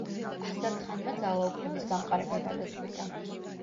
აზატ ხანმა ძალაუფლების გამყარება გადაწყვიტა.